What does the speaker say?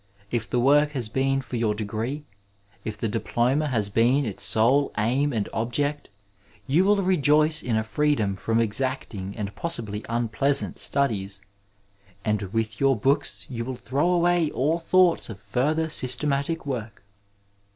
If the work has been for your degree, if the diploma has been its sole aim and object, you will rejoice in a fresdom from exacting and possibly unpleasant studi38, and with your books you will throw away all thoughts of finther systematic work.